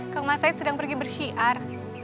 kalau mas said sedang pergi bersiar